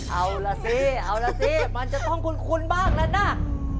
เอาล่ะสิเอาล่ะสิมันจะต้องคุ้นบ้างแล้วนะ